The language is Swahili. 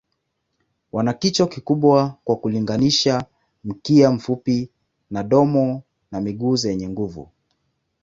Wana kichwa kikubwa kwa kulinganisha, mkia mfupi na domo na miguu zenye nguvu.